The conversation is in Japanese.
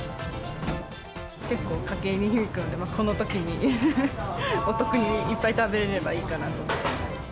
結構、家計に響くので、このときにお得にいっぱい食べれればいいかなと。